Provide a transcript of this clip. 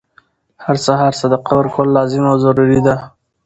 هر سهار صدقه ورکول لازم او ضروري ده،